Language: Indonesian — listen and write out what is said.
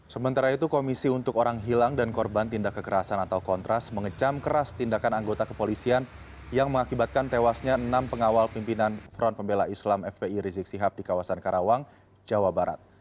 sementara itu komisi untuk orang hilang dan korban tindak kekerasan atau kontras mengecam keras tindakan anggota kepolisian yang mengakibatkan tewasnya enam pengawal pimpinan front pembela islam fpi rizik sihab di kawasan karawang jawa barat